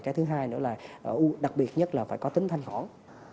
cái thứ hai nữa là đặc biệt nhất là phải có tính thanh khoản